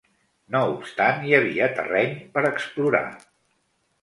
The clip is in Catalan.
No obstant, hi havia terreny per explorar.